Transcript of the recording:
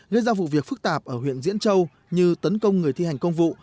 gây ra vụ việc phức tạp ở huyện diễn châu như tấn công người thi hành công vụ